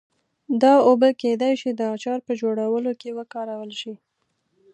دا اوبه کېدای شي د اچار په جوړولو کې وکارول شي.